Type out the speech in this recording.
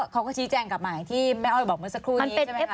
เขาก็ชี้แจ้งกลับมาอย่างที่แม่อ้อยบอกไว้สักครู่นี้ใช่ไหมคะ